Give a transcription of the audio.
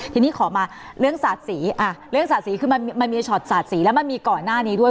ทีนี้ขอมาเรื่องสาดสีเรื่องสาดสีคือมันมีช็อตสาดสีแล้วมันมีก่อนหน้านี้ด้วย